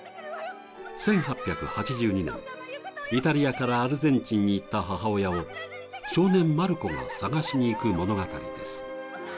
１８８２年、イタリアからアルゼンチンに行った母親を少年・マルコが探しに行く物語です